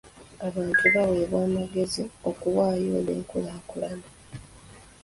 Abantu baweebwa amagezi okuwaayo olw'enkulaakulana.